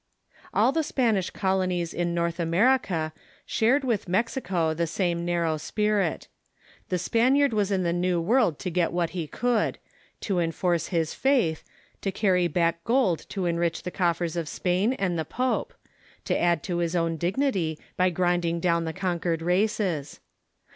All the Spanish colonies in North America shared with Mex ico the same narrow spirit. The Spaniard was in the New "World to get what he could ; to enforce his faith ; to carry back gold to enrich the coffers of Spain and the poj^e ; to add to his own dignity by grinding down the conquered races.